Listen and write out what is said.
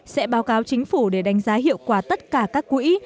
sẽ báo cáo chính phủ để đánh giá hiệu quả tất cả các quỹ